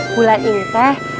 bulan ini teh